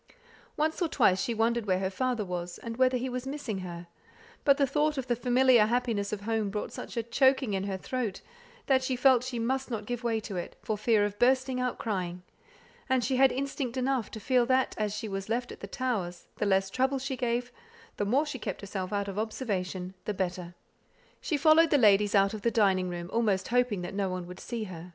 Once or twice she wondered where her father was, and whether he was missing her; but the thought of the familiar happiness of home brought such a choking in her throat, that she felt she must not give way to it, for fear of bursting out crying; and she had instinct enough to feel that, as she was left at the Towers, the less trouble she gave, the more she kept herself out of observation, the better. She followed the ladies out of the dining room, almost hoping that no one would see her.